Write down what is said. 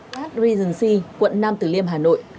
phát regency quận nam tử liêm hà nội